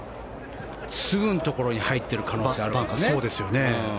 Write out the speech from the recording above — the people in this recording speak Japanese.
すぐのところに入っている可能性があるよね。